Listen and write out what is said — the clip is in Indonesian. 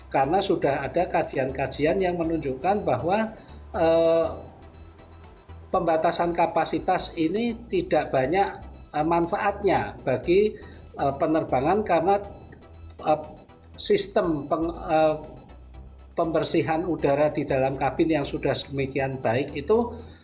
karena sudah ada kajian kajian yang menunjukkan bahwa pembatasan kapasitas ini tidak banyak manfaatnya bagi penerbangan karena sistem pembersihan udara di dalam kabin yang sudah semikian baik itu